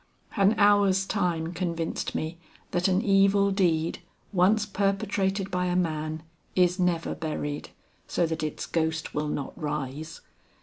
An hour's time convinced me that an evil deed once perpetrated by a man, is never buried so that its ghost will not rise.